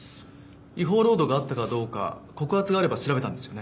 違法労働があったかどうか告発があれば調べたんですよね。